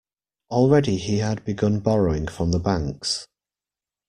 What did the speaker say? Already he had begun borrowing from the banks.